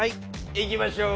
いきましょう。